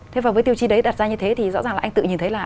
thế và với tiêu chí đấy đặt ra như thế thì rõ ràng là anh tự nhìn thấy là